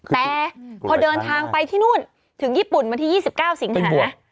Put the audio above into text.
แต่พอเดินทางไปที่นู่นถึงญี่ปุ่นวันที่๒๙สิงหา